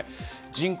人口